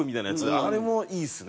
あれもいいですね。